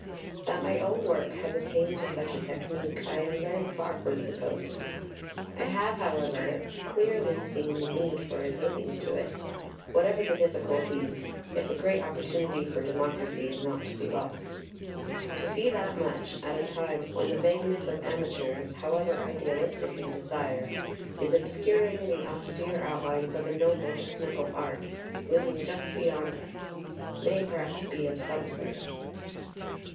That my own work has attained to such a technique I am very far from supposing. I have, however, clearly seen the need for attaining to it, whatever the difficulties, if a great opportunity for democracy is not to be lost. To see that much, at a time when the vagueness of ama teurs, however idealistic in desire, is obscuring the aus PREFACE xxiii tere outlines of a noble technical art looming just beyond us, may perhaps be of some service.